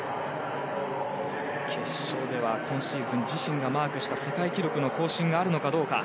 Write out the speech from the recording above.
決勝では今シーズン自身がマークした世界記録の更新があるのかどうか。